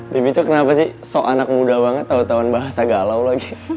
bibi tuh kenapa sih sok anak muda banget tau tauan bahasa galau lagi